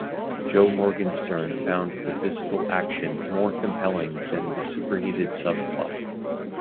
Joe Morgenstern found the physical action "more compelling than the superheated plot".